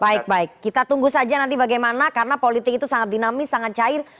baik baik kita tunggu saja nanti bagaimana karena politik itu sangat dinamis sangat cair